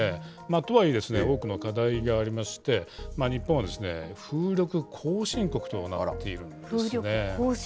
とはいえ、多くの課題がありまして、日本は風力後進国となっているんですね。